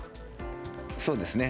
そうですね。